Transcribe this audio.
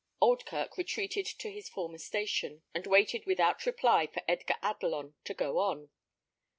Oldkirk retreated to his former situation, and waited without reply for Edgar Adelon to go on.